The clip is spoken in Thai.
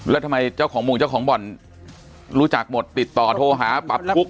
แล้วทำไมเจ้าของโมงเจ้าของบ่อนรู้จักหมดติดต่อโทรหาปรับกุ๊ก